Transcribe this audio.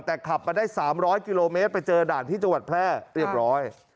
แต่ขับมาได้๓๐๐กิโลเมตรไปเจอด่านที่จังหวัดแพร่เรียบร้อย